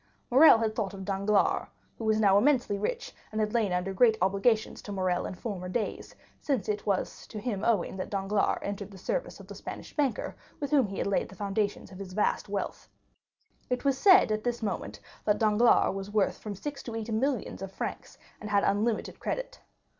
Morrel had thought of Danglars, who was now immensely rich, and had lain under great obligations to Morrel in former days, since to him it was owing that Danglars entered the service of the Spanish banker, with whom he had laid the foundations of his vast wealth. It was said at this moment that Danglars was worth from six to eight millions of francs, and had unlimited credit.